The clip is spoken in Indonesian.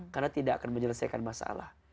karena tidak akan menyelesaikan masalah